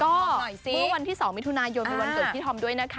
เมื่อวันที่๒มิถุนายนมีวันเกิดพี่ธอมด้วยนะคะ